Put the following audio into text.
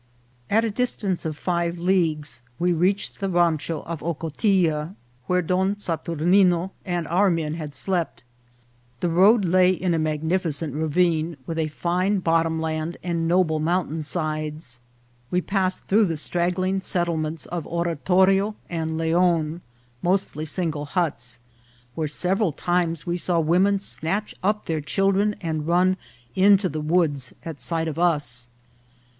At a distance of five leagues we reached the rancho 104 INCIDENTS OP TRAVEL. of Hocotilla, where Don Saturnmo and our men had slept. The road lay in a magnificent ravine, with a fine bottom land and noble mountain sides. We pass ed through the straggling settlements of Oratorio and Leon, mostly single huts, where several times we saw women snatch up their children and run into the woods at sight of us.